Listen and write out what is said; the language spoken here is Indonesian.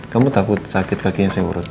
kamu takut sakit kakinya saya urut